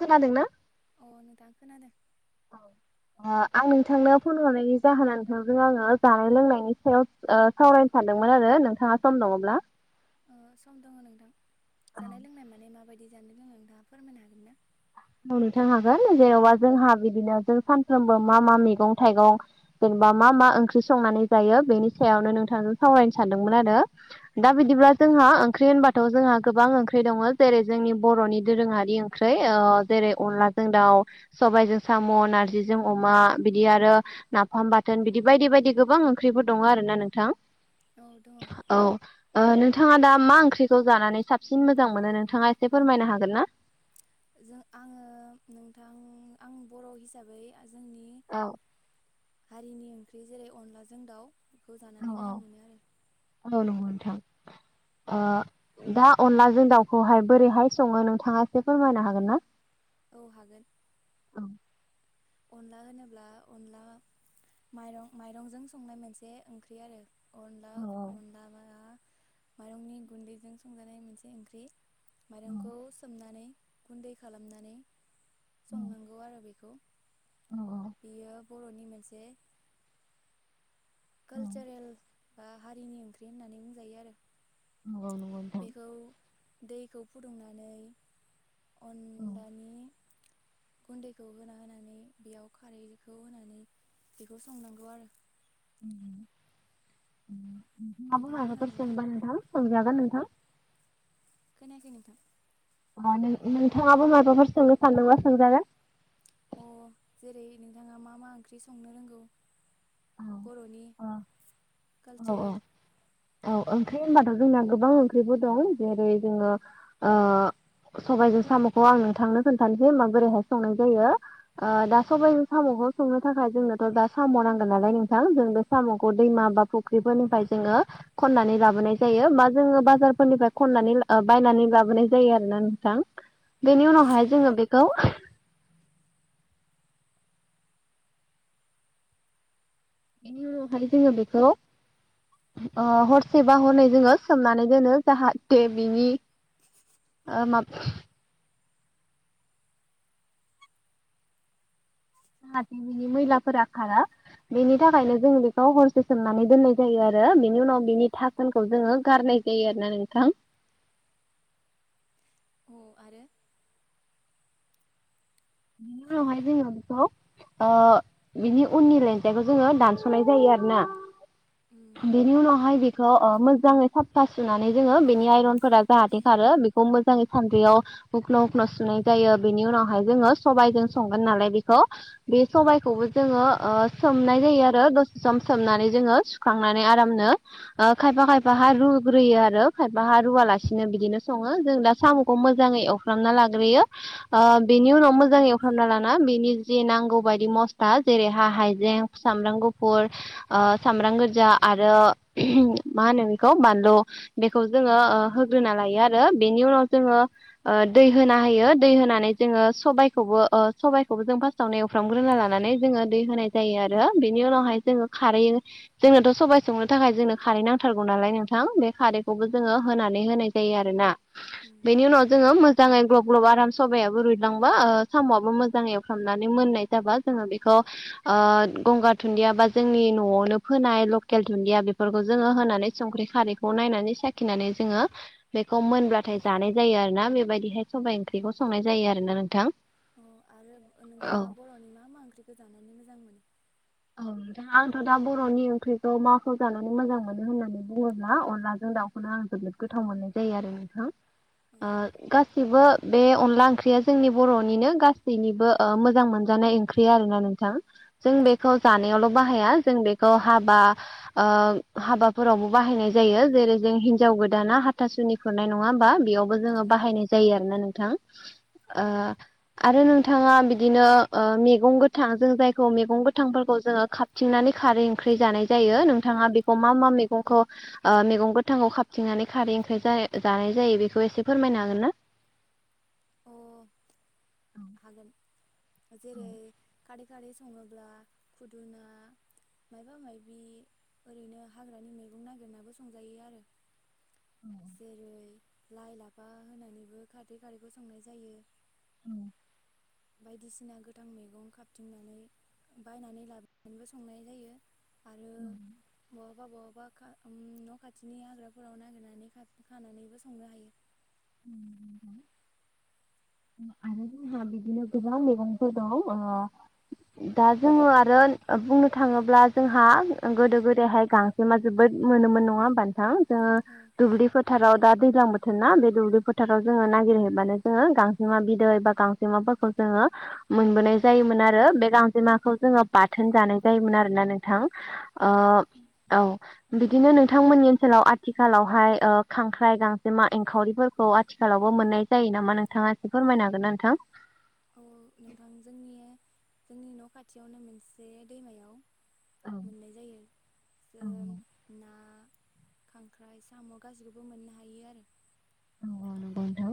खोनादों ना? अ' नोंथां खोनादों। औ ओ आं नोंथांनो फन हरनायनि जाहोना नोंथांदों आङो जानाय लोंनायनि सायाव सावरायनो सानदोंमोन आरो नोंथाङा सम दङब्ला। अ सम दङ नोंथां। औ जानाय लोंनाय माने माबायदि जानाय लोंङो नोंथाङा फोरमायनो हागोन ना? मावनो थां हागोन जेनेबा जोंहा बिदिनो जों सानफ्रोमबो मा मा मैगं थाइगं जेनेबा मा मा ओंख्रि संनानै जायो बेनि सायावनो नोंथांजों सावरायनो सानदोंमोन आरो। दा बिदिब्ला जोंहा ओंख्रि होनबाथ' जोंहा गोबां ओंख्रि दङ जेरै जोंनि बर'नि दोरोङारि ओंख्रै जेरै अनलाजों दाउ सबाइजों साम', नारजिजों अमा बिदि आरो नाफाम बाथोन बिदि बायदि बायदि गोबां ओंख्रिफोर दङ आरो ना नोंथां। औ दङ। औ नोंथाङा दा मा ओंख्रिखौ जानानै साबसिन मोजां मोनो नोंथाङा एसे फोरमायनो हागोन ना? जों आङो नोंथां आं बर' हिसाबै जोंनि औ। हारिनि ओंख्रि जेरै अनलाजों दाउ बेखौ औ जानानै मोजां मोनो आरो। औ नंगौ नोंथां। ओ दा अनलाजों दाउखौहाय बोरैहाय सङो नोंथाङा एसे फोरमायनो हागोन ना? औ हागोन। औ अनला होनोब्ला अनला माइरं माइरंजों संनाय मोनसे ओंख्रि आरो अनला औ अनला बा माइरंनि गुन्दैजों संजानाय मोनसे ओंख्रि। औ माइरंखौ सोमनानै गुन्दै खालामनानै संनांगौ आरो बेखौ। औ- औ। बियो बर'नि मोनसे औ कालचारेल। बा हारिनि ओंख्रि होननानै बुंजायो आरो नोंगौ नोंगौ नोंथां। खौ दैखौ फुदुंनानै औ अनलानि। गुन्दैखौ होना होनानै बेयाव खारैखौ होनानै बेखौ संनांगौ आरो [unintelligible] नोंथाङा खोनादों माबाफोर ना सोङोबा नोंथां सोंजागोन नोंथां। खोनायाखै नोंथां। अ नों नोंथाङाबो माबाफोर सोंनो सानदोंबा सोंजागोन। अ जेरै नोंथाङा मा-मा ओंख्रि संनो रोंगौ। बर'नि। औ -औ। कालचारेल औ ओंख्रि होनबाथ' जोंना गोबां ओंख्रिबो दं जेरै जोङो ओ। सबायजों साम'खौ आं नोंथांनो खोनथानोसै माबोरैहाय संनाय जायो। ओ दा सबाइ साम'खौ संनो थाखाय जोंनोथ' दा साम' नांगोन नालाय नोंथां जों बे साम'खौ दैमा बा। ख्रिफोरनिफ्राय जोङो। खननानै लाबोनाय जायो बा जोङो बाजारफोरनिफ्राय खननानै ला ओ बायनानै लाबोनाय जायो आरोना नोंथां। बेनि उनावहाय जोङो बेखौ। बेनि उनावहाय जोङो बेखौ। अ हरसेबा हरनै जोङो सोमनानै दोनो जाहाथे बिनि। ओ माब। [unintelligible] मैलाफोरा खारा। बेनि थाखायनो जों बेखौ हरसे सोमनानै दोननाय जायो आरो बेनि उनाव बेनि था नखौ जोङो गारनाय जायो आरो ना नोंथां। अ आरो बेनि उनावहाय जोङो बेखौ। बिनि उननि लेन्जाइखौ जोङो दानस'नाय जायो आरो ना। उम। बेनि उनावहाय बेखौ ओ मोजाङै साफफा सुनानै जोङो बेनि आइरनफोरा जाहाथे खारो। खौ मोजाङै सान्द्रियाव हख्ल' हख्ल' सुनाय जायो बेनि उनावहाय जोङो। सबायजों संगोन नालाय बेखौ। बे सबायाइखौबो जोङो ओ सोमनाय जायो आरो दसे सम सोमनानै जोङो सुखांनानै आरामनो। ओ खायफा -खायफा हा रुग्रोयो आरो खायफा हा रुवालासिनो बिदिनो सङो जों दा साम'खौ मोजाङै एव। खालामना लाग्रोयो ओ बेनि उनाव मो मोजां एवफ्रामना लाना बेनि जि नांगौ बायदि मस्ला जेरैहा हाइजें सामब्राम गुफुर। ओ सामब्राम गोजा आरो मा होनो बेखौ बानलु। बेखौ जोङो ओ होग्रोना लायो आरो बेनि उनाव जोङो। ओ दै होना होयो दै होनानै जोङो सबाय खौबो ओ सबायखौबो जों फार्स्टावनो एवफ्रामग्रोना लानानै जोङो दै होनाय जायो आरो बेनि उनावहाय। जोङो खारै जोंनोथ' सबबाय संनो थाखाय जोंनो खारै नांथारगौ नालाय नोंथां बे खारैखौबो जोङो होनानै होनाय जायो आरोना। बेनि उनाव जोङो मोजाङै ग्लब ग्लब आराम सबायाबो रुइलांबा ओ साम'आबो मोजां एवफ्रामनानै मोननाय जाबा जोङो बेखौ गंगार दुन्दिया बा जोंनि न'आवनो फोनाय लकेल दुन्दिया बेफोरखौ जोङो होनानै संख्रि खारैखौ नायनानै साखिनानै जोङो बेखौ मोनब्लाथाय जानाय जायो आरो ना बेबायदिहाय सबाइ ओंख्रिखौ संनाय जायो आरोना नोंथां। अ आरो औ नोंथाङा बर'नि मा मा मोजां मोनो? औ नोंथां आंथ' दा बर'नि ओंख्रिखौ माखौ जानानै मोजां मोनो होननानै बुङोब्ला अनलाजों दाउ खौनो आं जोबोद गोथाव मोननाय जायो आरो नोंथां अ ओ गासिबो बे अनला ओंख्रिया जोंनि बर'निनो गासैनिबो ओ मोजां मोनजानाय ओंख्रि आरोना नोंथां, जों बेखौ जानायावल' बाहाया। जों बेखौ हाबा ओ हाबाफोरावबो बाहायनाय जायो जेरै जों हिनजाव गोदाना हाथासुनि खुरनाय नङा होमबा बेयाव बो जोङो औ बाहायनाय जायो आरोना नोंथां? ओ आरो नोंथाङा बिदिनो ओ मैगं गोथां जों जायखौ मैगं गोथां गोथांफोरखौ जोङो खाबथिंनानै खारै ओंख्रि जानाय जायो नोंथाङा बेखौ मा मा मैगंखौ ओ मैगं गोथांखौ खाबथिंनानै खारै ओंख्रि जा-जानाय जायो बेखौ एसे फोरमायनो हागोन ना? अह हागोन जेरै खारै खारि सङोब्ला खुदुना मायबा मायबि ओरैनो हाग्रानि मैगं नागिरनाबो संजायो आरो जेरै लाइ लाफा होनानैबो खारै खारिखौ संनाय जायो। औ। बायदिसिना गोथां मैगं खाबथिंनानै बायनानै लाबोनानैबो संनाय जायो आरो बहाबा बहाबा न' खाथिनि हाग्राफोराव नागिरनानै खा-खानानैबो संनो हायो। [inaudible] आरो जोंहा बिदिनो गोबां मैगंफोर दं ओ दा जोङो आरो बुंनो थाङोब्ला जोंहा गोदो गोदायहाय गां जेमा जोबोद मोनोमोन नङा होनबा नोंथां, जोङो औ दुब्लि फोथाराव दा दैज्लां बोथोर ना बे दुब्लि फोथाराव जोङो नागिरहैबानो जोङो गांजेमा बिदै बा गांजेमाफोरखौ जोङो मोनबोनाय जायोमोन आरो, बे गांजेमाखौ जोङो बाथोन जानाय जायोमोन आरोना नों थां ओ औ बिदिनो नोंथांमोननि ओनसोलाव आथिखालावहाय खांख्राइ गांजेमा एंखावरिफोर खौ आथिखालावबो मोननाय जायो नामा नोंथाङा एसे फोरमायनो हागोन नोंथां? औ नोंथां जोंनि जोंनि न' खाथियावनो मोनसे दैमायाव मोननाय जायो जों ना खांख्राइ साम' गासैखौबो मोननो हायो आरो। औ नंगौ नोंथां।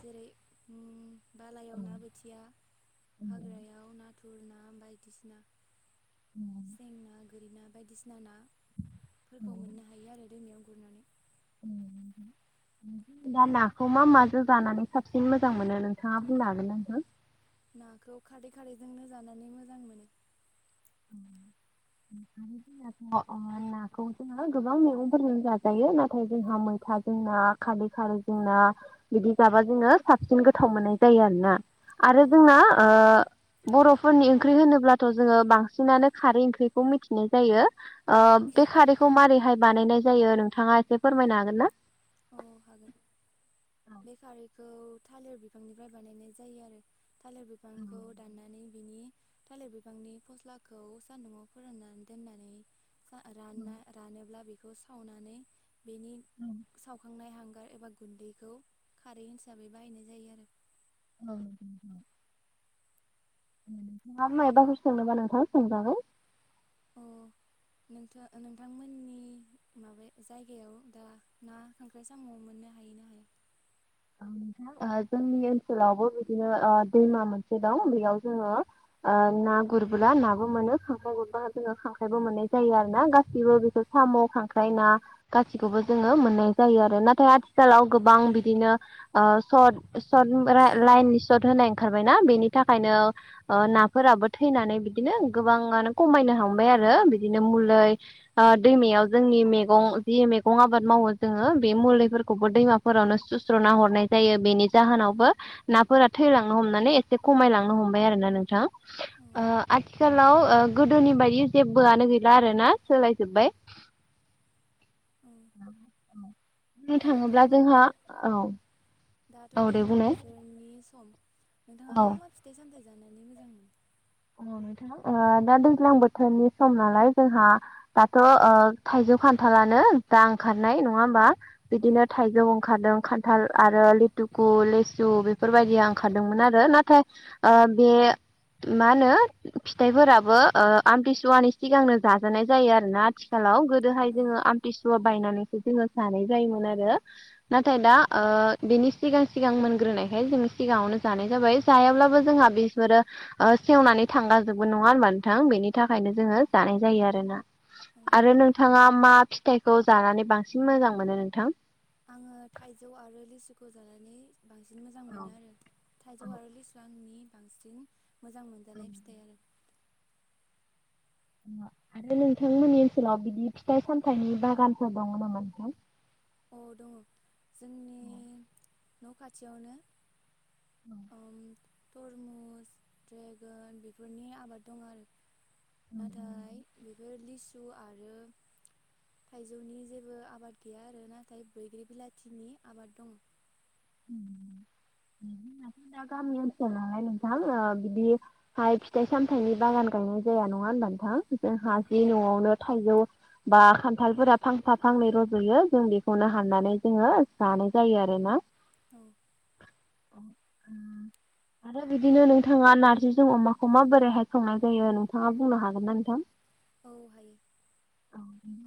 जेरै उम बालायाव ना बोथिया, हाग्रा याव नाथुर ना बायदिसिना सें ना, गोरि ना बायदिसिना ना फोरखौ मोननो हायो आरो दैमायाव गुरनानै। [inaudible] दा नाखौ मा माजों जानानै साबसिन मोजां मोनो नोंथाङा बुंनो हागोनना नोंथां? नाखौ खारै खारिजोंनो जानानै मोजां मोनो। [inaudible] अ नाखौ जों जोङो गोबां मैगंफोरजों जाजायो नाथाय जोंहा मैथाजों ना, खादै खारिजों ना बिदि जाबा जोङो साबसिन गोथाव मोननाय जायो आरो ना? आरो औ जोंना बर'फोरनि ओंख्रि होनोब्लाथ' जोङो बांसिन बिसिनानो खारै ओंख्रिखौ मिथिनाय जायो अ बे खारैखौ मारैहाय बानायनाय जायो नोंथाङा एसे फोरमायनो हागोन ना औ हागोन बे खारैखौ थालिर बिफांनिफ्राय बानायनाय जायो आरो थालिर बिफांखौ दाननानै बिनि थालिर बिफांनि फस्लाखौ सान्दुआव फोराननानै दोननानै जा रानना रानोब्ला बेखौ सावनानै बेनि सावखांनाय हांगार एबा गुन्दैखौ खारै हिसाबै बाहायनाय जायो आरो अ नोंथाङा मायाबाफोर सोंनोबा नोंथां सोंजागोन अ नोंथा नोंथांमोननि माबा जायगायाव दा ना खांख्राइ साम' मोननो हायो ना हाया नोंथां जोंनि ओनसोलावबो बिदिनो दैमा मोनसे दं बेयाव जोङो ना गुरबोला नाबो मोनो खांख्राइ गुरबा जोङो खांख्राइबो मोननाय जायो आरो ना गाससिबो बेखौ साम' खांख्राइ ना गासिखौबो जोङो मोननाय जायो आरो नाथाय आथि लाव औ गोबां बिदिनो ओ सट सट लाइननि सर्ट होनाय ओ ओंखारबायना बेनि थाखाय नो नाफोराबो थैनानै बिदिनो गोबाङानो खमायनो हांबाय आरो बिदिनो मुलै ओ दैमायाव जोंनि मैगं जि मैगं आबाद मावो जोङो बे मुलैफोरखौबो दैमाफोराव नोु सुस स्रुना हरनाय जायो बेनि जाहोनावबो नाफोरा थैलांनो हमनानै एसे खमायलांनो हमबाय आरोना नोंथां औ ओ आथिखालाव गोदोनि बायदि जेबोआनो गैला आरो ना सोलाय जोब्बाय [inaudible] औ बुंनो थाङोब्ला जोंहा दाथ' औ दाथ' औ दे दैज्लां बुंनाय बोसोरनि सम नोंथाङा औ मा मा फिथाइ सामथाय जानानै मोजां मोनो ओ नोंथां दा दैज्लां बोथोरनि सम नालाय जोंहा दाथ' ओ थाइजौ खान्थालानो दा ओंखारनाय नङा होमबा औ बिदिनो थाइजौ ओंखारदों खान थाल आरो लिथुकु लिसु बेफोरबायदि आं खारदोंमोन आरो नाथाय आ बे मा होनो फिथाइफोराबो आमथिसुवानि सिगांनो जाजानाय जायो आरोना आथिखालाव जोहाय औ जोङो आमथिसुवा बायनानैसो जोङो जानाय जायोमोन आरो नाथाय दा बेनि सिगां सिगां मोनग्रोनायखाय जों सिगाङावनो जानाय जाबाय जायाब्लाबो जोंहा बे बिसफोरो ओ सेवनानै थांगाजोबो नङा होनबा नोंथां बेनि थाखायनो जोङो जानाय जायो आरो ना औ आरो नोंथाङा मा फिथाइखौ जानानै बांसिन मोजां मोनो नोंथां आङो थाइजौ आरो लिसुखौ जानानै बांसिन मोजां मोनो आरो थाइजौ आरो लिसुवानि आंनि बांसिन मोजां मोनजानाय फिथाइ आरो आरो नोंथांमोननि ओनसोलाव बिदि फिथाइ सामथाइनि बागानफोर दङ नामा नोंथां औ दङ जोंनि न' खाथियावनो [inaudible] तरमुस द्रेगन बेफोरनि आबाद दं आरो नाथाय बेफोर लिसु आरो थाइजौनि जेबो आबाद गैया आरो नाथाय बैग्रि बिलाथिनि आबाद दं। [inaudible] दा गामि ओनसोल नालाय नोंथां बिदि हाय फिथाइ सामथायाइनि बागान गायनाय जाया नङा होनबा नोंथां जों औ हा जि न'आवनो थाइजौ बा खान्थालफोरा फांफा फांनै रज'यो जों बेखौनो हाननानै जोङो जानाय जायो आरोना। औ। औ ओम आरो बिदिनो नोंथाङा नार्जिजों अमाखौ माबोरैहाय संनाय जायो नोंथाङा बुंनो हागोन ना नोंथां? औ हायो।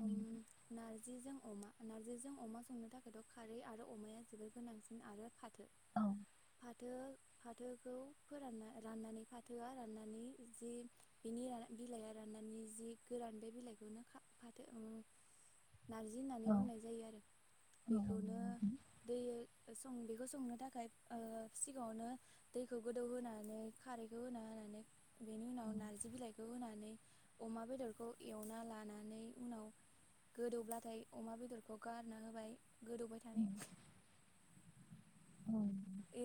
ओम नार जिजों अमा, नार्जिजों अमा संनो थाखायथ' खारै आरो अमाया जोबोर गोनांसिन आरो फाथो औ। फाथो फाथोखौ फोरानना, राननानै फाथोआ राननानै जि बेनि बिलाइया राननानै जि गोरान बे बिलाइखौनो खा फाथो ओम नारजि होननानै बुंनाय जायो आरो। बेखौनो दै सं बेखौ संनो थाखाय ओ सिगाङावनो दैखौ गोदौ होनानै, खारैखौ होना होनानै बेनि उनाव नारजि बिलाइखौ होनानै अमा बेदरखौ एवना लानानै उनाव गोदौब्लाथाय अमा बेदरखौ गारना होबाय गोदौबाय थानायाव।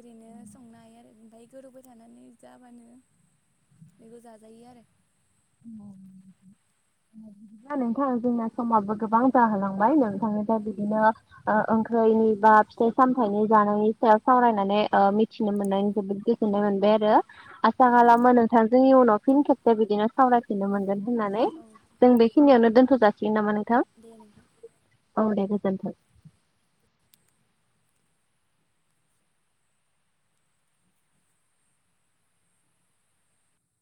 ओरैनो संनो हायो आरो ओमफ्राय गोदौबाय थानानै जाबानो बेखौ जाजायो आरो। [inaudible] दे बिदिब्ला नोंथा जोंना समाबो गोबां जाहोलांबाय औ नोंथांनिफ्राय बिदिनो ओ ओंख्रिनि बा फिथाइ सामथायनि जानायनि सायाव सावरायनानै ओ मिथिनो मोनानै जोबोद गोजोननाय मोनबाय आरो। आसा औ खालामो नोंथांजों उनाव फिन खेबसे बिदिनो सावरायफिननो मोनगोन होननानै। औ जों बेखिनियावनो दोनथ' जासिगोन नामा नोंथां? दे नोंथां। अ दे गोजोनथों।